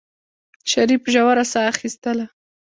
شريف ژوره سا اخېستله.